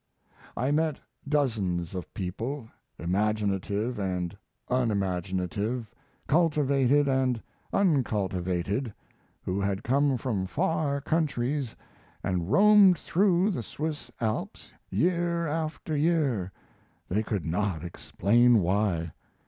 I met dozens of people, imaginative and unimaginative, cultivated and uncultivated, who had come from far countries and roamed through the Swiss Alps year after year they could not explain why.